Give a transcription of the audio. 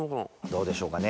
どうでしょうかね？